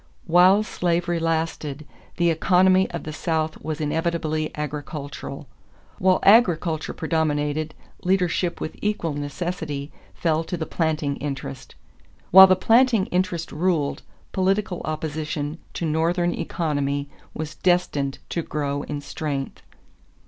While slavery lasted, the economy of the South was inevitably agricultural. While agriculture predominated, leadership with equal necessity fell to the planting interest. While the planting interest ruled, political opposition to Northern economy was destined to grow in strength.